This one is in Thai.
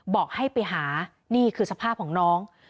บอกให้ไปหานี่คือสภาพของน้อง